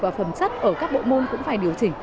và phần sất ở các bộ môn cũng phải điều chỉnh